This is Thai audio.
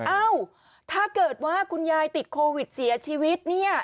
เอ้าถ้าเกิดว่าคุณยายติดโควิดเสียชีวิตเนี่ย